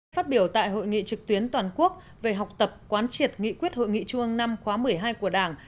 phát biểu tại hội nghị trực tuyến toàn quốc về học tập quán triệt nghị quyết hội nghị trung ương năm khóa một mươi hai của đảng